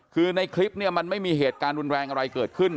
คือในคลิปเนี่ยมันไม่มีเหตุการณ์รุนแรงอะไรเกิดขึ้น